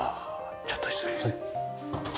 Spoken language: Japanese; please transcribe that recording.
ちょっと失礼して。